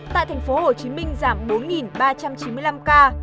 tại tp hcm giảm bốn ba trăm chín mươi năm ca